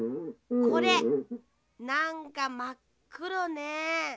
これなんかまっくろね。